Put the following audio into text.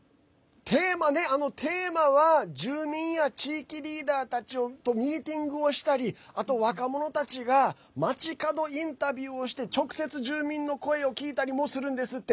テーマは住民や地域リーダーたちとミーティングをしたり若者たちが街角インタビューをして直接、住民の声を聞いたりもするんですって。